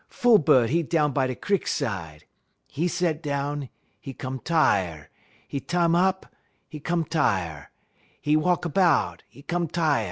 "Fool bud, 'e down by da crik side. 'E set down, 'e come tire'; 'e 'tan' up, 'e come tire'; 'e walk 'bout, 'e come tire'.